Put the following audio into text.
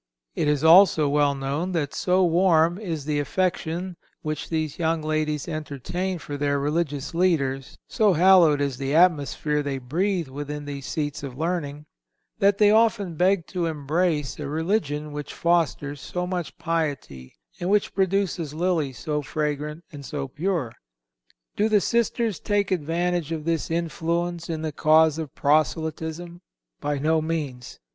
It is also well known that so warm is the affection which these young ladies entertain for their religious teachers, so hallowed is the atmosphere they breathe within these seats of learning, that they often beg to embrace a religion which fosters so much piety and which produces lilies so fragrant and so pure. Do the sisters take advantage of this influence in the cause of proselytism? By no means.